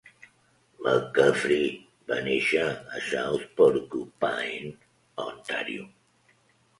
McCaffrey va néixer a South Porcupine, Ontario.